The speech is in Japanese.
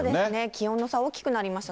気温の差、大きくなりました。